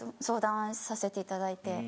相談させていただいて。